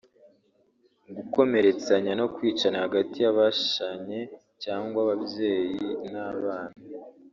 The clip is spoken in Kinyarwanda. gukomeretsanya no kwicana hagati y’abashanye cyangwa ababyeyi n’abana